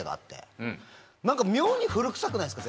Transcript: なんか妙に古臭くないですか？